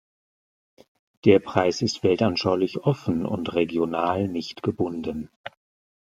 Der Preis ist weltanschaulich offen und regional nicht gebunden.